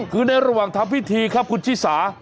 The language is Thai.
คือในระหว่างทำพิธีครับคุณชิสา